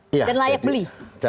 dan layak beli